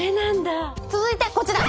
続いてこちら。